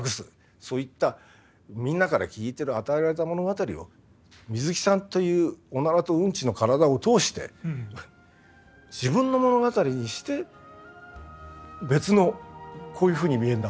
そういったみんなから聞いてる与えられた物語を水木さんというおならとうんちの体を通して自分の物語にして別のこういうふうに見えんだけどって。